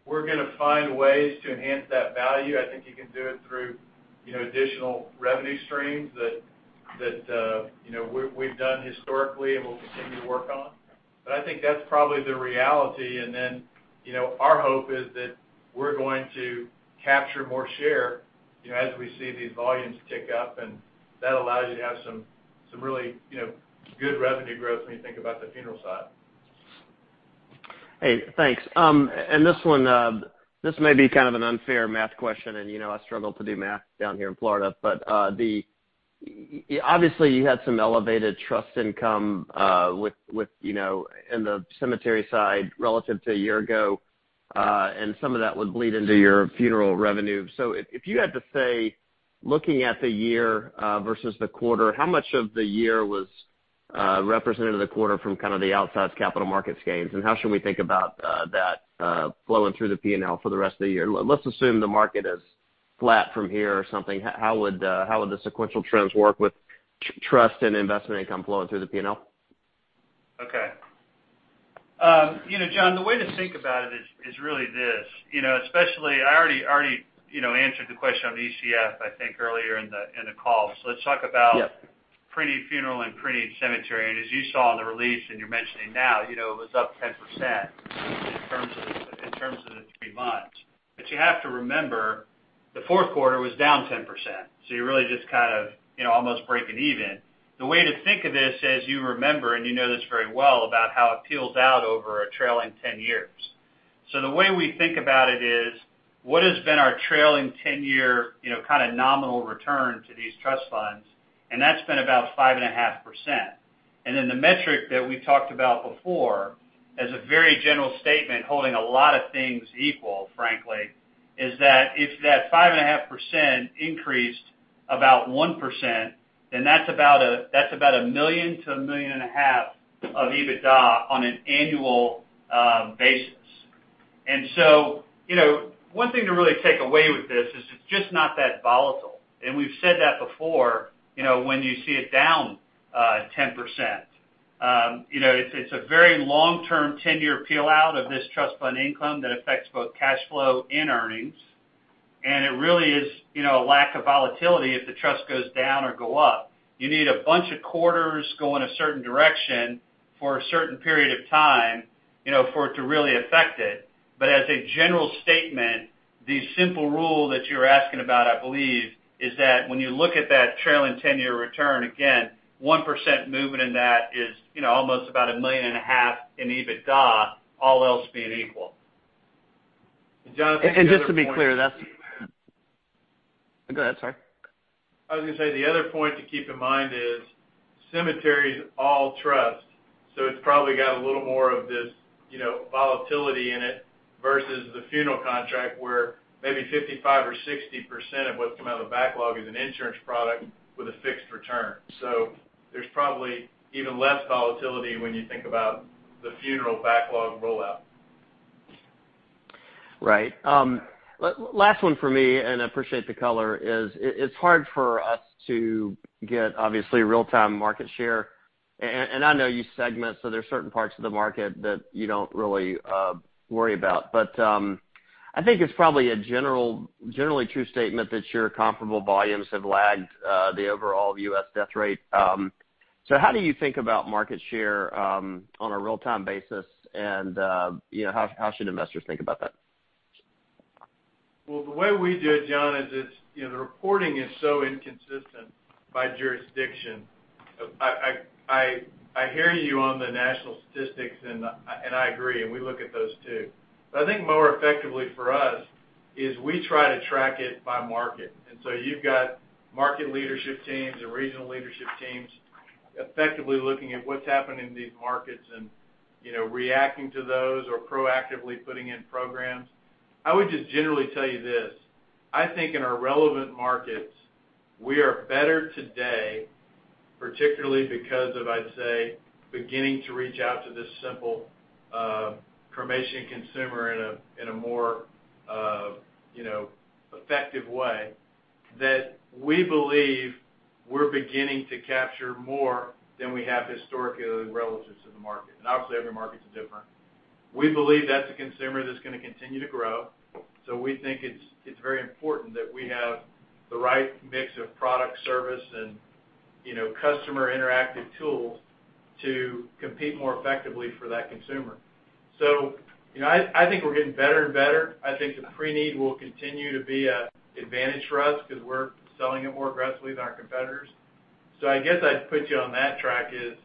we're going to find ways to enhance that value. I think you can do it through additional revenue streams that we've done historically and we'll continue to work on. I think that's probably the reality, and then, our hope is that we're going to capture more share as we see these volumes tick up, and that allows you to have some really good revenue growth when you think about the funeral side. Hey, thanks. This one, this may be kind of an unfair math question, and you know I struggle to do math down here in Florida. Obviously, you had some elevated trust income in the cemetery side relative to a year ago, and some of that would bleed into your funeral revenue. If you had to say, looking at the year versus the quarter, how much of the year was represented in the quarter from kind of the outsized capital markets gains, and how should we think about that flowing through the P&L for the rest of the year? Let's assume the market is flat from here or something. How would the sequential trends work with trust and investment income flowing through the P&L? Okay. John, the way to think about it is really this. Especially, I already answered the question on ECF, I think earlier in the call. Let's talk about. Yep Preneed funeral and preneed cemetery. As you saw in the release and you're mentioning now, it was up 10% in terms of the three months. You have to remember, the fourth quarter was down 10%, so you're really just kind of almost breaking even. The way to think of this is, you remember, and you know this very well, about how it peels out over a trailing 10 years. The way we think about it is, what has been our trailing 10-year kind of nominal return to these trust funds, and that's been about 5.5%. The metric that we talked about before, as a very general statement, holding a lot of things equal, frankly, is that if that 5.5% increased about 1%, that's about $1 million-$1.5 million of EBITDA on an annual basis. One thing to really take away with this is it's just not that volatile. We've said that before, when you see it down 10%. It's a very long-term 10-year peel out of this trust fund income that affects both cash flow and earnings. It really is a lack of volatility if the trust goes down or go up. You need a bunch of quarters going a certain direction for a certain period of time, for it to really affect it. As a general statement, the simple rule that you're asking about, I believe, is that when you look at that trailing 10-year return, again, 1% movement in that is almost about $1.5 million in EBITDA, all else being equal. Just to be clear, that's Go ahead, sorry. I was going to say, the other point to keep in mind is cemetery's all trust, so it's probably got a little more of this volatility in it versus the funeral contract where maybe 55% or 60% of what's coming out of the backlog is an insurance product with a fixed return. There's probably even less volatility when you think about the funeral backlog rollout. Right. Last one from me, I appreciate the color, is it's hard for us to get, obviously, real-time market share. I know you segment, so there's certain parts of the market that you don't really worry about. I think it's probably a generally true statement that your comparable volumes have lagged the overall U.S. death rate. How do you think about market share on a real-time basis, and how should investors think about that? The way we do it, John, is the reporting is so inconsistent by jurisdiction. I hear you on the national statistics, and I agree, and we look at those, too. I think more effectively for us is we try to track it by market. You've got market leadership teams and regional leadership teams effectively looking at what's happening in these markets and reacting to those or proactively putting in programs. I would just generally tell you this, I think in our relevant markets, we are better today, particularly because of, I'd say, beginning to reach out to this simple cremation consumer in a more effective way, that we believe we're beginning to capture more than we have historically relative to the market. Obviously, every market is different. We believe that's a consumer that's going to continue to grow. We think it's very important that we have the right mix of product, service, and customer interactive tools to compete more effectively for that consumer. I think we're getting better and better. I think the pre-need will continue to be an advantage for us because we're selling it more aggressively than our competitors. I guess I'd put you on that track is,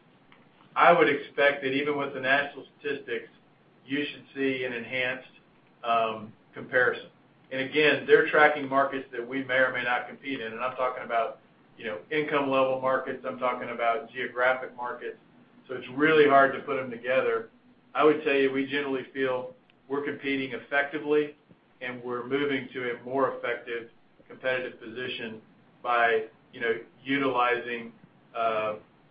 I would expect that even with the national statistics, you should see an enhanced comparison. Again, they're tracking markets that we may or may not compete in, and I'm talking about income-level markets, I'm talking about geographic markets. It's really hard to put them together. I would say we generally feel we're competing effectively, and we're moving to a more effective competitive position by utilizing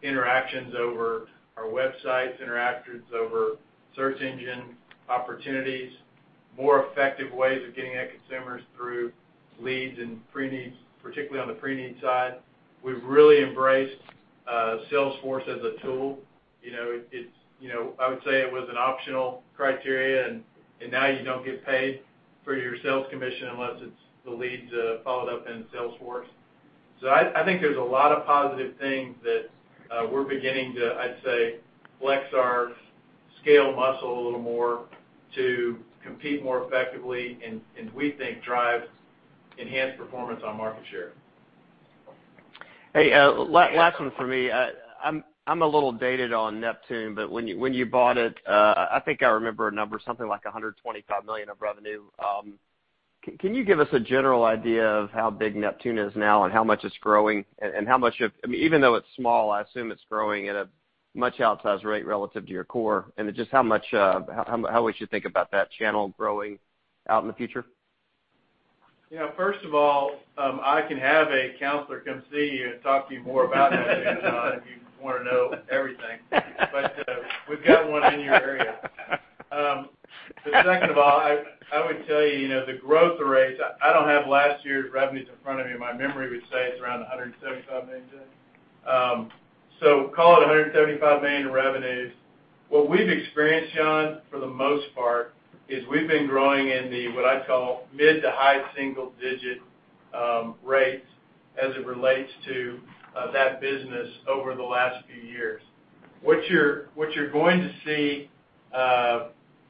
interactions over our websites, interactions over search engine opportunities, more effective ways of getting at consumers through leads and pre-needs, particularly on the pre-need side. We've really embraced Salesforce as a tool. I would say it was an optional criteria, and now you don't get paid for your sales commission unless it's the leads followed up in Salesforce. I think there's a lot of positive things that we're beginning to, I'd say, flex our scale muscle a little more to compete more effectively and we think drive enhanced performance on market share. Hey, last one from me. I'm a little dated on Neptune, but when you bought it, I think I remember a number, something like $125 million of revenue. Can you give us a general idea of how big Neptune is now and how much it's growing and even though it's small, I assume it's growing at a much outsized rate relative to your core, and just how we should think about that channel growing out in the future? I can have a counselor come see you and talk to you more about that, John, if you want to know everything. We've got one in your area. Second of all, I would tell you, the growth rates, I don't have last year's revenues in front of me. My memory would say it's around $175 million. Call it $175 million in revenues. What we've experienced, John, for the most part, is we've been growing in the, what I'd call mid- to high single-digit rates as it relates to that business over the last few years. What you're going to see,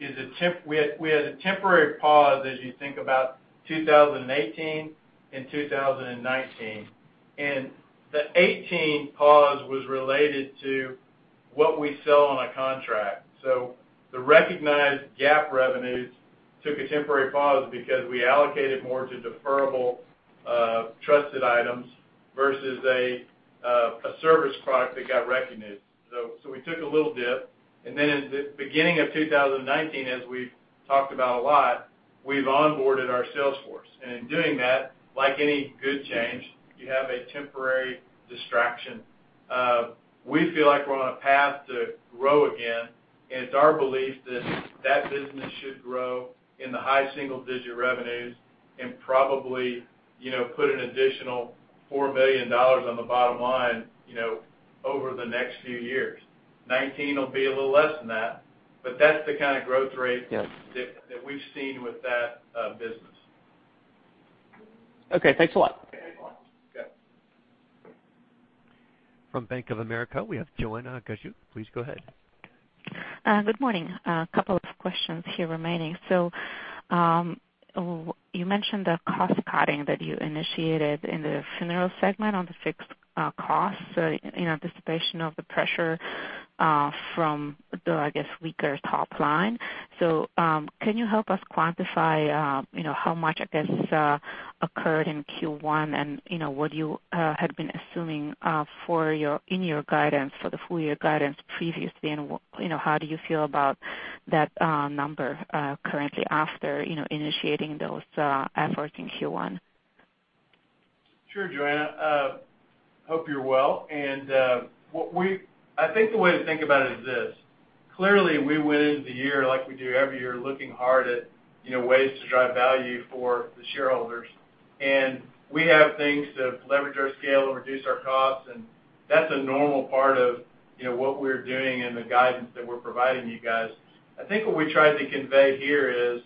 we had a temporary pause as you think about 2018 and 2019. The 2018 pause was related to what we sell on a contract. The recognized GAAP revenues took a temporary pause because we allocated more to deferrable trusted items versus a service product that got recognized. We took a little dip, then in the beginning of 2019, as we've talked about a lot-We've onboarded our sales force. In doing that, like any good change, you have a temporary distraction. We feel like we're on a path to grow again, and it's our belief that that business should grow in the high single-digit revenues and probably put an additional $4 million on the bottom line over the next few years. 2019 will be a little less than that's the kind of growth rate- Yes that we've seen with that business. Okay, thanks a lot. Okay. From Bank of America, we have Joanna Gajuk. Please go ahead. Good morning. A couple of questions here remaining. You mentioned the cost-cutting that you initiated in the funeral segment on the fixed costs, anticipation of the pressure from the, I guess, weaker top line. Can you help us quantify how much, I guess, occurred in Q1 and what you had been assuming in your guidance for the full-year guidance previously, and how do you feel about that number currently after initiating those efforts in Q1? Sure, Joanna. Hope you're well. I think the way to think about it is this: clearly, we went into the year like we do every year, looking hard at ways to drive value for the shareholders. We have things to leverage our scale and reduce our costs, and that's a normal part of what we're doing and the guidance that we're providing you guys. I think what we tried to convey here is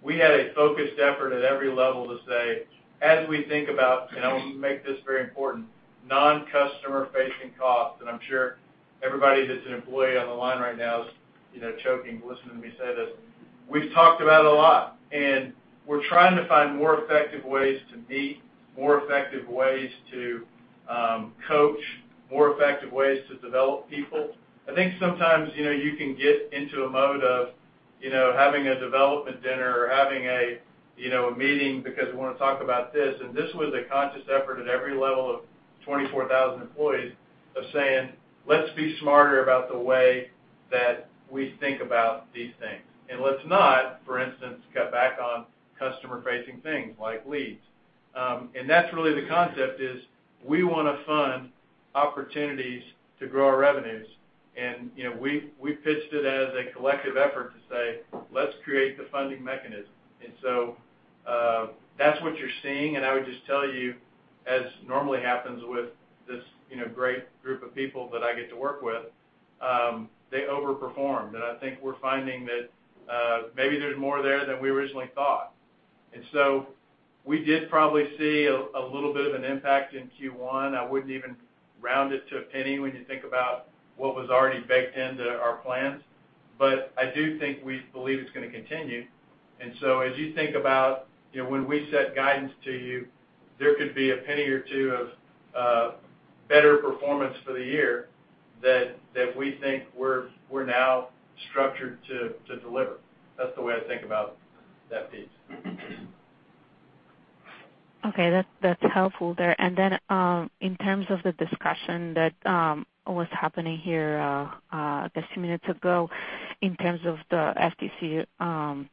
we had a focused effort at every level to say, as we think about, make this very important, non-customer facing costs, and I'm sure everybody that's an employee on the line right now is choking listening to me say this. We've talked about it a lot, and we're trying to find more effective ways to meet, more effective ways to coach, more effective ways to develop people. I think sometimes, you can get into a mode of having a development dinner or having a meeting because we want to talk about this. This was a conscious effort at every level of 24,000 employees of saying, "Let's be smarter about the way that we think about these things. Let's not, for instance, cut back on customer-facing things like leads." That's really the concept is we want to fund opportunities to grow our revenues. We pitched it as a collective effort to say, let's create the funding mechanism. That's what you're seeing, and I would just tell you as normally happens with this great group of people that I get to work with, they overperformed, and I think we're finding that maybe there's more there than we originally thought. We did probably see a little bit of an impact in Q1. I wouldn't even round it to a penny when you think about what was already baked into our plans. I do think we believe it's going to continue. As you think about when we set guidance to you, there could be a penny or two of better performance for the year that we think we're now structured to deliver. That's the way I think about that piece. Okay. That's helpful there. In terms of the discussion that was happening here, I guess, a few minutes ago, in terms of the FTC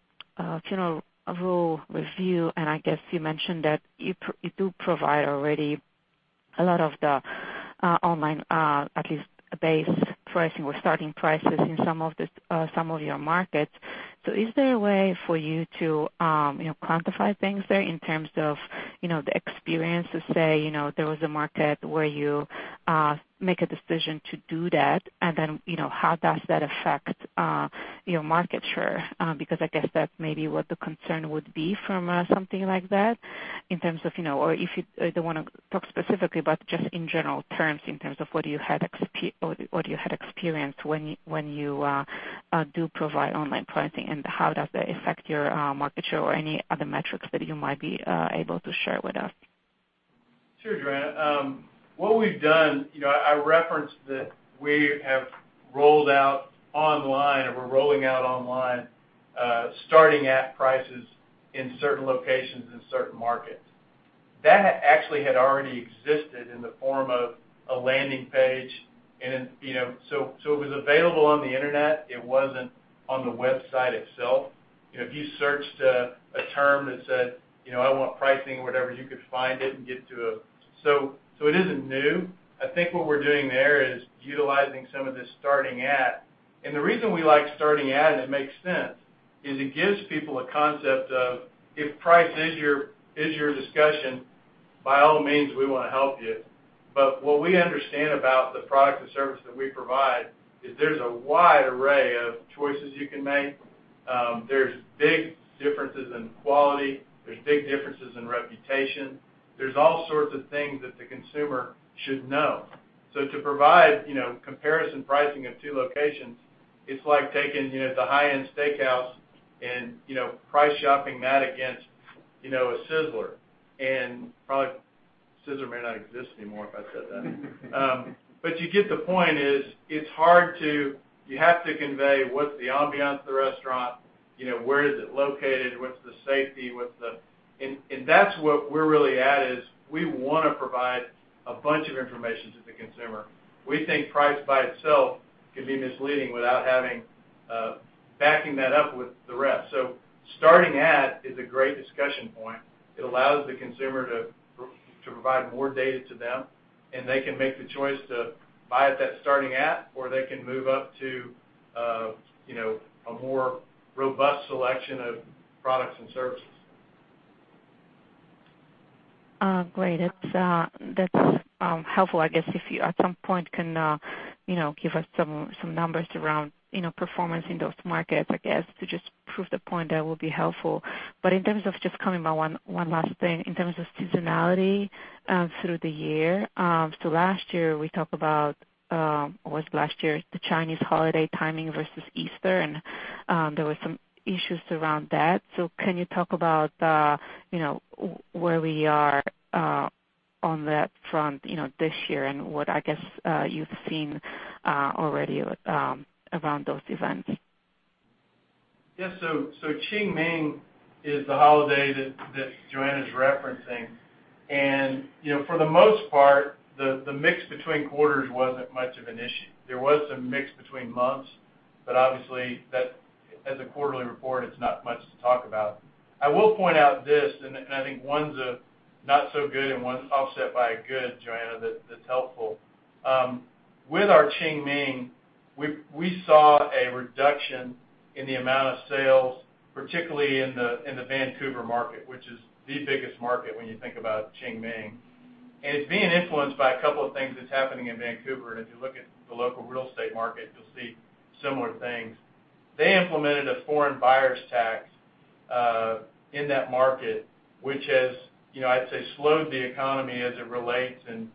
Funeral Rule review, I guess you mentioned that you do provide already a lot of the online, at least base pricing with starting prices in some of your markets. Is there a way for you to quantify things there in terms of the experience, to say there was a market where you make a decision to do that, and then how does that affect your market share? I guess that may be what the concern would be from something like that or if you don't want to talk specifically, but just in general terms, in terms of what you had experienced when you do provide online pricing and how does that affect your market share or any other metrics that you might be able to share with us? Sure, Joanna. What we've done, I referenced that we have rolled out online, or we're rolling out online, starting at prices in certain locations, in certain markets. That actually had already existed in the form of a landing page. It was available on the internet. It wasn't on the website itself. If you searched a term that said, "I want pricing," whatever, you could find it. It isn't new. I think what we're doing there is utilizing some of this starting at. The reason we like starting at, and it makes sense, is it gives people a concept of if price is your discussion, by all means, we want to help you. What we understand about the product or service that we provide is there's a wide array of choices you can make. There's big differences in quality. There's big differences in reputation. There's all sorts of things that the consumer should know. To provide comparison pricing of two locations, it's like taking the high-end steakhouse and price shopping that against a Sizzler. Probably Sizzler may not exist anymore if I said that. You get the point is, you have to convey what's the ambiance of the restaurant, where is it located, what's the safety. That's what we're really at is we want to provide a bunch of information to the consumer. We think price by itself can be misleading without backing that up with the rest. Starting at is a great discussion point. It allows the consumer to provide more data to them, and they can make the choice to buy at that starting at, or they can move up to a more robust selection of products and services. Great. That's helpful. I guess if you at some point can give us some numbers around performance in those markets, I guess, to just prove the point, that will be helpful. In terms of just coming by one last thing, in terms of seasonality through the year. Last year we talk about, was last year the Chinese holiday timing versus Easter, and there were some issues around that. Can you talk about where we are on that front this year and what, I guess, you've seen already around those events? Yeah. Qingming is the holiday that Joanna's referencing. For the most part, the mix between quarters wasn't much of an issue. There was some mix between months, but obviously as a quarterly report, it's not much to talk about. I will point out this, and I think one's a not so good and one's offset by a good, Joanna, that's helpful. With our Qingming, we saw a reduction in the amount of sales, particularly in the Vancouver market, which is the biggest market when you think about Qingming. It's being influenced by a couple of things that's happening in Vancouver. If you look at the local real estate market, you'll see similar things. They implemented a foreign buyers tax in that market, which has, I'd say, slowed the economy as it relates and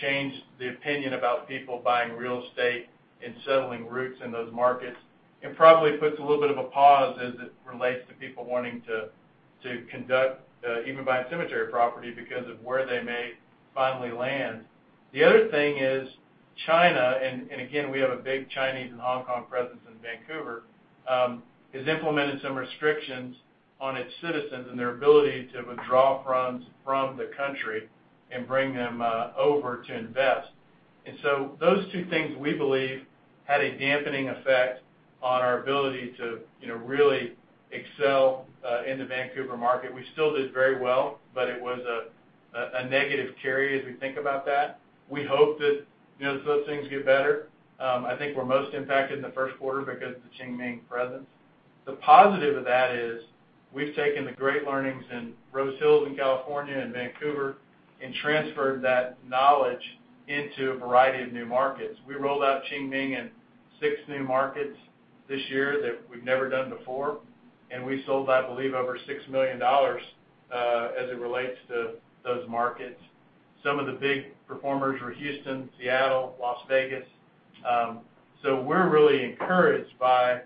changed the opinion about people buying real estate and settling roots in those markets, and probably puts a little bit of a pause as it relates to people wanting to conduct, even buying cemetery property because of where they may finally land. The other thing is China, and again, we have a big Chinese and Hong Kong presence in Vancouver, has implemented some restrictions on its citizens and their ability to withdraw funds from the country and bring them over to invest. Those two things, we believe, had a dampening effect on our ability to really excel in the Vancouver market. We still did very well, but it was a negative carry as we think about that. We hope that those things get better. I think we're most impacted in the first quarter because of the Qingming presence. The positive of that is we've taken the great learnings in Rose Hills in California and Vancouver and transferred that knowledge into a variety of new markets. We rolled out Qingming in six new markets this year that we've never done before, and we sold, I believe, over $6 million as it relates to those markets. Some of the big performers were Houston, Seattle, Las Vegas. We're really encouraged by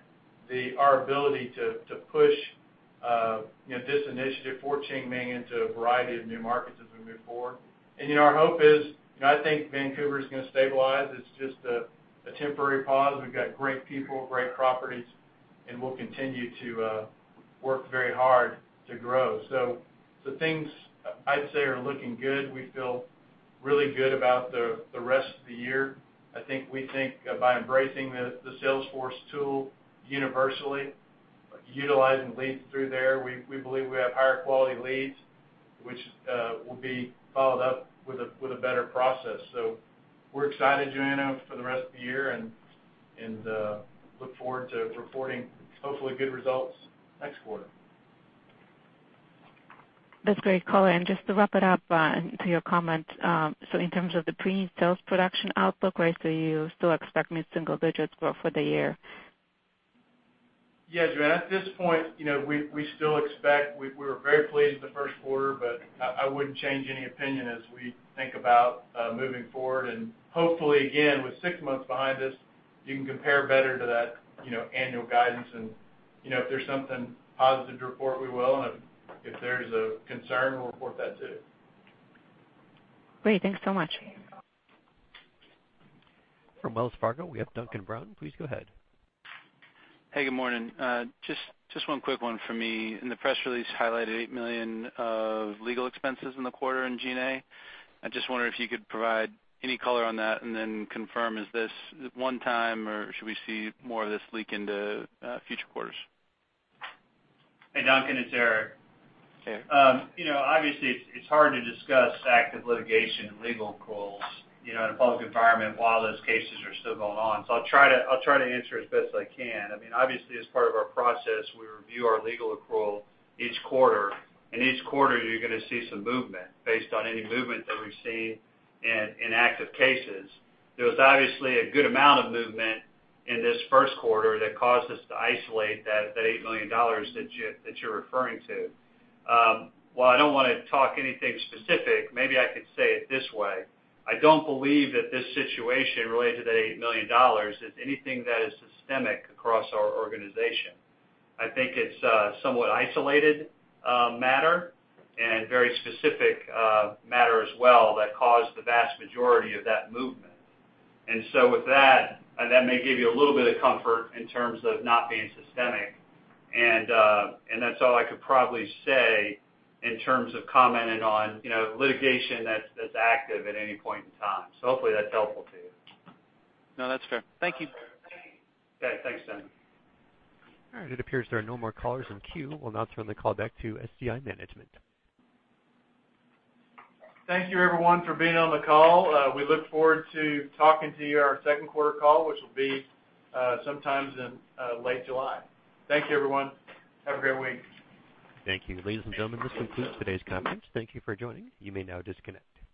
our ability to push this initiative for Qingming into a variety of new markets as we move forward. Our hope is, I think Vancouver is going to stabilize. It's just a temporary pause. We've got great people, great properties, and we'll continue to work very hard to grow. The things I'd say are looking good. We feel really good about the rest of the year. I think we think by embracing the Salesforce tool universally, utilizing leads through there, we believe we have higher quality leads, which will be followed up with a better process. We're excited, Joanna, for the rest of the year and look forward to reporting hopefully good results next quarter. That's great color. Just to wrap it up to your comment, in terms of the pre-sales production outlook, right, you still expect mid-single digits growth for the year? Yeah, Joanna, at this point, we still expect. We were very pleased the first quarter, I wouldn't change any opinion as we think about moving forward. Hopefully, again, with six months behind us, you can compare better to that annual guidance. If there's something positive to report, we will. If there's a concern, we'll report that, too. Great. Thanks so much. From Wells Fargo, we have Duncan Brown. Please go ahead. Hey, good morning. Just one quick one for me. In the press release highlighted $8 million of legal expenses in the quarter in G&A. I just wonder if you could provide any color on that and then confirm, is this one time or should we see more of this leak into future quarters? Hey, Duncan, it's Eric. Hey. Obviously, it's hard to discuss active litigation and legal accruals in a public environment while those cases are still going on. I'll try to answer as best I can. Obviously, as part of our process, we review our legal accrual each quarter. In each quarter, you're going to see some movement based on any movement that we've seen in active cases. There was obviously a good amount of movement in this first quarter that caused us to isolate that $8 million that you're referring to. While I don't want to talk anything specific, maybe I could say it this way. I don't believe that this situation related to that $8 million is anything that is systemic across our organization. I think it's a somewhat isolated matter and very specific matter as well that caused the vast majority of that movement. With that, and that may give you a little bit of comfort in terms of not being systemic. That's all I could probably say in terms of commenting on litigation that's active at any point in time. Hopefully that's helpful to you. No, that's fair. Thank you. Okay. Thanks, Duncan. All right, it appears there are no more callers in queue. We will now turn the call back to SCI management. Thank you everyone for being on the call. We look forward to talking to you our second quarter call, which will be sometime in late July. Thank you everyone. Have a great week. Thank you. Ladies and gentlemen, this concludes today's conference. Thank you for joining. You may now disconnect.